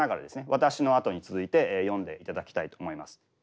私のあとに続いて読んでいただきたいと思います。